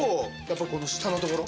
この下のところ。